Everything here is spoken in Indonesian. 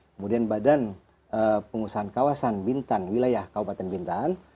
kemudian badan pengusahaan kawasan bintan wilayah kabupaten bintan